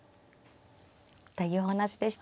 というお話でした。